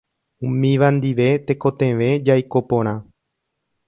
Umíva ndive tekotevẽ jaiko porã.